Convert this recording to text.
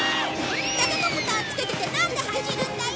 タケコプターつけててなんで走るんだよ！？